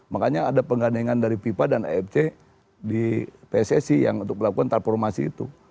makanya ada penggandingan dari fifa dan afc di pssi yang untuk melakukan transformasi itu